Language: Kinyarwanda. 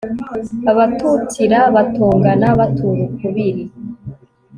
abatutira batongana batura ukubiri